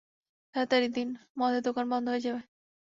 তারাতাড়ি দিন মদের দোকান বন্ধ হয়ে যাবে।